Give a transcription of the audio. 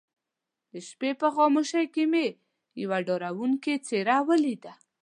د شپې په خاموشۍ کې مې يوه ډارونکې څېره وليده.